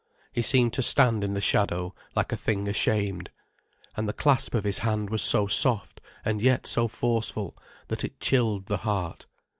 He seemed to stand in the shadow, like a thing ashamed. And the clasp of his hand was so soft and yet so forceful, that it chilled the heart.